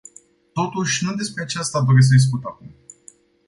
Totuși, nu despre aceasta doresc să discut acum.